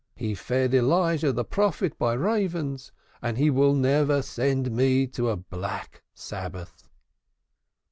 He fed Elijah the prophet by ravens, and He will never send me a black Sabbath."